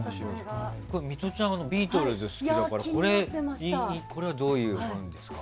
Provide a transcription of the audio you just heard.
ミトちゃんはビートルズ好きだからこれはどういうものですか？